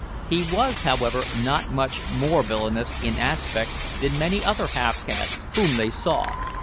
He was, however, not much more villainous in aspect than many other half castes whom they saw.